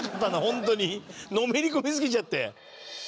ホントにのめり込みすぎちゃって。